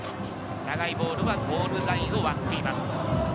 長いボールはゴールラインを割っています。